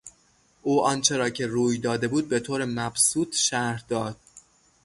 او آنچه را که روی داده بود به طور مبسوط شرح داد.